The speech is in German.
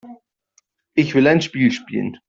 Ich will ein Spiel spielen.